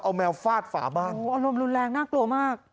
เอาแมวฟาดฝาบ้านโอ้อารมณ์รุนแรงน่ากลัวมาก